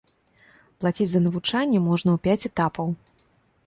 Плаціць за навучанне можна ў пяць этапаў.